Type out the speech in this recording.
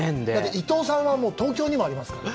伊藤さんは東京にもありますから。